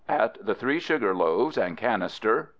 at the Three Sugar Loaves, and Cannister